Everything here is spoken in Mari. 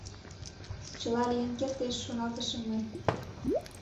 Чыла лийын кертеш, — шоналтышым мый.